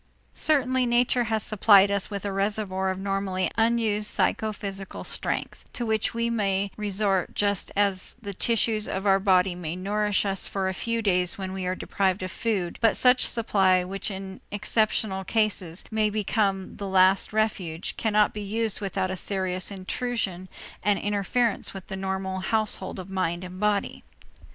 Certainly nature has supplied us with a reservoir of normally unused psychophysical strength, to which we may resort just as the tissues of our body may nourish us for a few days when we are deprived of food, but such supply, which in exceptional cases may become the last refuge, cannot be used without a serious intrusion and interference with the normal household of mind and body.